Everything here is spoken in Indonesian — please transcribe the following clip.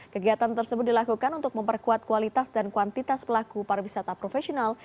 kegiatan tersebut dilakukan untuk memperkuat kualitas dan kuantitas pelaku pariwisata profesional